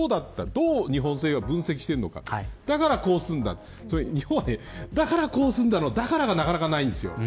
どう日本政府が分析しているのかだからこうするんだ日本は、だからこうするんだのだからがなかなかないんです。